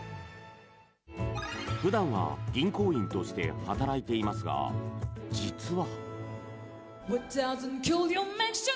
ふだんは銀行員として働いていますが、実は。